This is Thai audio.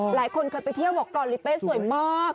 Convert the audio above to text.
หลายคนเคยไปเที่ยวบอกกอลิเป้สวยมาก